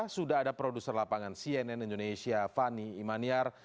sudah ada produser lapangan cnn indonesia fani imaniar